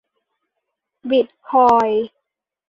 บิตคอยน์